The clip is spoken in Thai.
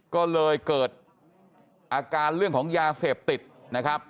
ก็เลยเกิดอาการเรื่องของยาเสพติดนะครับ